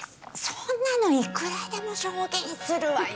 そんなのいくらでも証言するわよ。